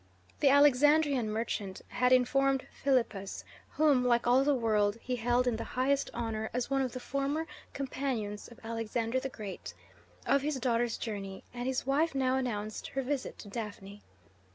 The Alexandrian merchant had informed Philippus whom, like all the world, he held in the highest honour as one of the former companions of Alexander the Great of his daughter's journey, and his wife now announced her visit to Daphne.